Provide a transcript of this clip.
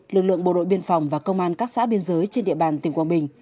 lực lượng bộ đội biên phòng và công an các xã biên giới trên địa bàn tỉnh quảng bình